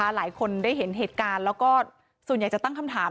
หลายคนได้เห็นเหตุการณ์แล้วก็ส่วนใหญ่จะตั้งคำถาม